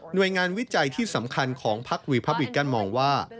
โดยงานวิจัยที่สำคัญของพักรีพับริกันมองว่า